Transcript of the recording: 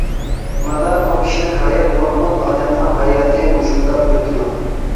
مانا بۇ كىشىلىك ھايات، نۇرغۇن ئادەمنىڭ ھاياتى مۇشۇنداق ئۆتىدۇ.